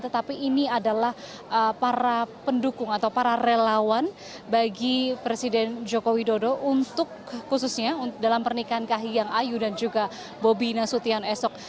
tetapi ini adalah para pendukung atau para relawan bagi presiden joko widodo untuk khususnya dalam pernikahan kahiyang ayu dan juga bobi nasution esok